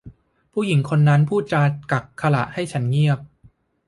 ผู้หญิงคนนั้นพูดจากักขฬะให้ฉันเงียบ